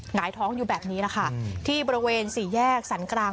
หงายท้องอยู่แบบนี้แหละค่ะที่บริเวณสี่แยกสรรกลาง